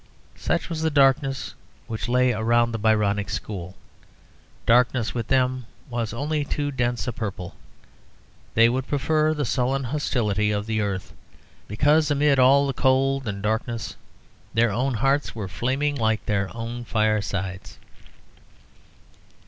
Such was the darkness which lay around the Byronic school. Darkness with them was only too dense a purple. They would prefer the sullen hostility of the earth because amid all the cold and darkness their own hearts were flaming like their own firesides.